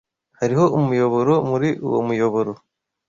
Hariho umuyoboro muri uwo muyoboro.